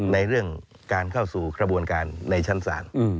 ในเรื่องการเข้าสู่กระบวนการในชั้นศาล